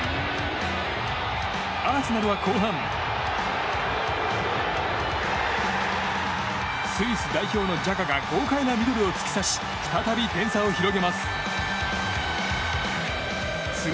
アーセナルは後半スイス代表のジャカが豪快なミドルを放ち再び点差を広げます。